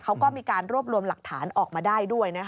เขาก็มีการรวบรวมหลักฐานออกมาได้ด้วย